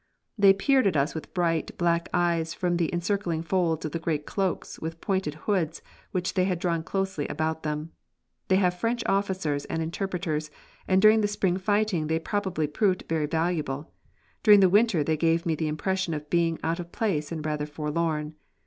They peered at us with bright, black eyes from the encircling folds of the great cloaks with pointed hoods which they had drawn closely about them. They have French officers and interpreters, and during the spring fighting they probably proved very valuable. During the winter they gave me the impression of being out of place and rather forlorn.